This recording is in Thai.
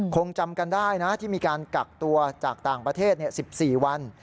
คงจำกันได้นะที่มีการกักตัวจากต่างประเทศ๑๔วัน